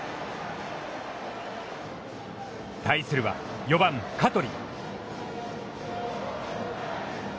対するは、４番、香取。